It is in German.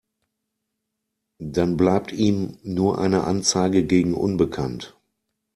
Dann bleibt ihm nur eine Anzeige gegen unbekannt.